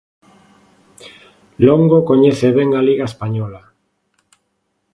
Longo coñece ben a Liga española.